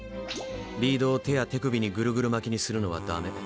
リードを手や手首にぐるぐる巻きにするのはダメ！